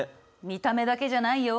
見た目だけじゃないよ